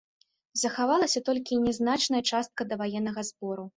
Захавалася толькі нязначная частка даваеннага збору.